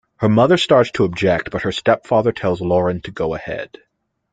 Her mother starts to object but her stepfather tells Lauren to go ahead.